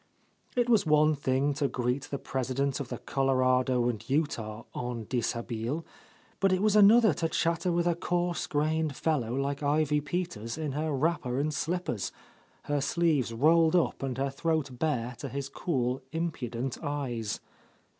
It was one thing to greet the pres ident of the Colorado & Utah en deshabille, but it was another to chatter with a coarse grained fellow like Ivy Peters in her wrapper and slip — 'TtS — A Lost Lady pers, her sleeves rolled up and her throat bare to his cool, impudent eyes.